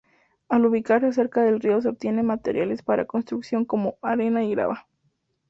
Al ubicarse cerca del río se obtienen materiales para construcción como: arena y grava.